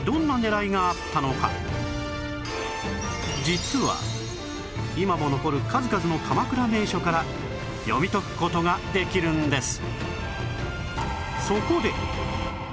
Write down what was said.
実は今も残る数々の鎌倉名所から読み解く事ができるんです